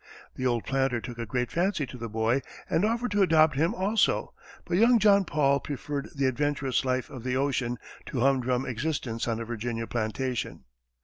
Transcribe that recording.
The old planter took a great fancy to the boy, and offered to adopt him also, but young John Paul preferred the adventurous life of the ocean to humdrum existence on a Virginia plantation.